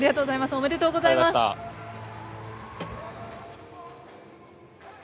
おめでとうございます。